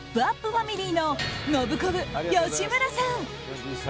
ファミリーのノブコブ吉村さん！